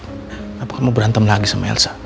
kenapa kamu berantem lagi sama elsa